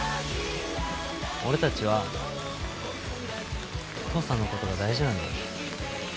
俺たちは父さんのことが大事なんだよ。